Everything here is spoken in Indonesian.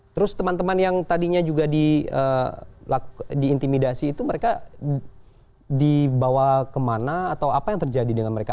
terus teman teman yang tadinya juga diintimidasi itu mereka dibawa kemana atau apa yang terjadi dengan mereka